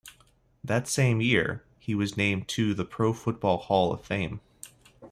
That same year, he was named to the Pro Football Hall of Fame.